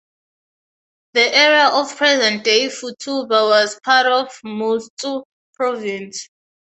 The area of present-day Futaba was part of Mutsu Province.